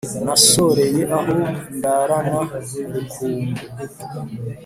Nasoreye aho ndarana Rukungu